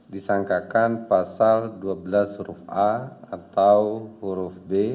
disangkakan pasal dua belas huruf a atau huruf b